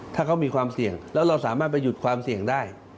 ถ้าเขามีความเสี่ยงแล้วเราสามารถไปหยุดความเสี่ยงได้